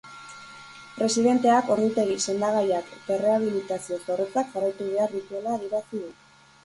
Presidenteak ordutegi, sendagaiak eta errehabilitazio zorrotzak jarraitu behar dituela adierazi du.